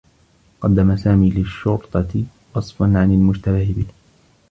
قدّم سامي للشّرطة وصفا عن المشتبه به.